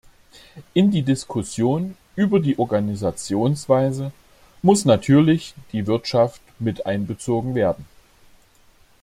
In die Diskussion über die Organisationsweise muss natürlich die Wirtschaft miteinbezogen werden.